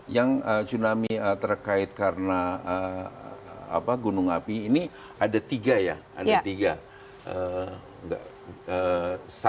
yang tsunami terkait karena gunung api ini ada tiga ya ada tiga